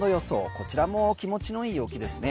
こちらも気持ちのいい陽気ですね。